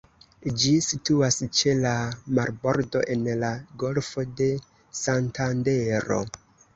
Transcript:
Ĝi situas ĉe la marbordo en la Golfo de Santandero.